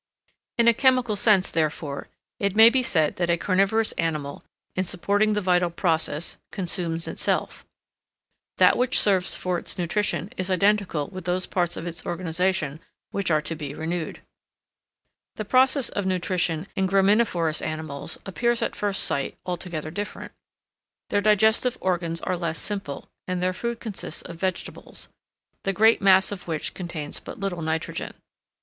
In a chemical sense, therefore, it may be said that a carnivorous animal, in supporting the vital process, consumes itself. That which serves for its nutrition is identical with those parts of its organisation which are to be renewed. The process of nutrition in graminivorous animals appears at first sight altogether different. Their digestive organs are less simple, and their food consists of vegetables, the great mass of which contains but little nitrogen.